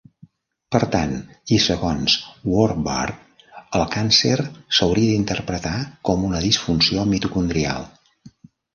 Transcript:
Per tant, i segons Warburg, el càncer s"hauria d"interpretar com una disfunció mitocondrial.